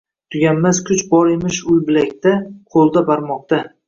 Tuganmas kuch bor emish ul bilakda, qoʻlda barmoqda